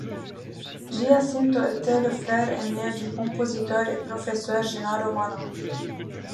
Giacinto était le frère aîné du compositeur et professeur Gennaro Manna.